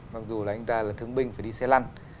mặc dù là anh ta là thương binh phải đi xe lăn